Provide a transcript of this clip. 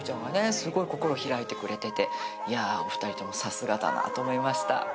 すごい心を開いてくれてていやお二人ともさすがだなと思いました。